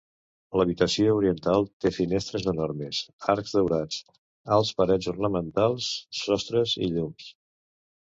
L'Habitació Oriental té finestres enormes, arcs daurats, alts parets ornamentals, sostres i llums.